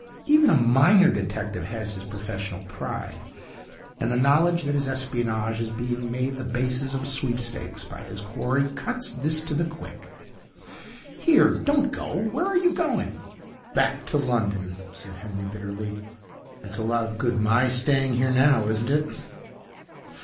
Even a minor detective has his professional pride; and the knowledge that his espionage is being made the basis of sweepstakes by his quarry cuts this to the quick. 'Here, don't go! Where are you going?' 'Back to London,' said Henry, bitterly. 'It's a lot of good my staying here now, isn't it?'